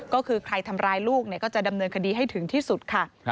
ก็คือใครทำร้ายลูกก็จะดำเนินคดีให้ถึงที่สุดค่ะ